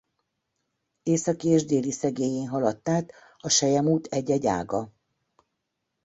Északi és déli szegélyén haladt át a selyemút egy-egy ága.